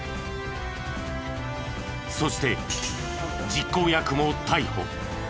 そして実行役も逮捕。